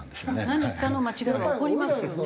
何かの間違いは起こりますよね？